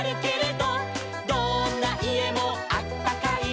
「どんないえもあったかい」